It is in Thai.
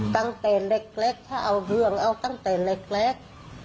ตั้งแต่เล็กถ้าเอาเรื่องเอาตั้งแต่เล็ก